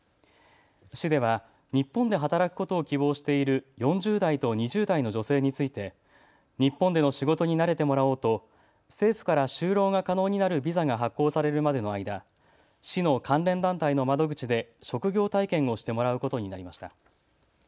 市では日本で働くことを希望している４０代と２０代の女性について日本での仕事に慣れてもらおうと政府から就労が可能になるビザが発行されるまでの間、市の関連団体の窓口で職業体験をしてもらうことになりました。